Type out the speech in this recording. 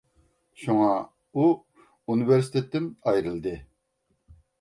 شۇڭا ئۇ ئۇنىۋېرسىتېتتىن ئايرىلدى.